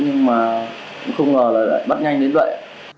không ngờ bắt nhanh đến vậy